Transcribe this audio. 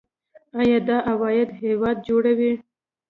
آیا دا عواید هیواد جوړوي؟